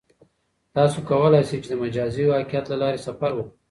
تاسو کولای شئ چې د مجازی واقعیت له لارې سفر وکړئ.